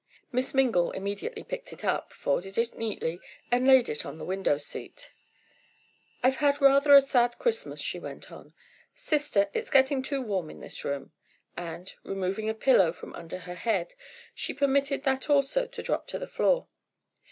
Miss Mingle immediately picked it up, folded it neatly, and laid it on the window seat. "I've had rather a sad Christmas," she went on. "Sister, it's getting too warm in this room," and, removing a pillow from under her head, she permitted that also to drop to the floor.